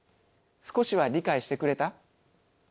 少しは理解してくれた？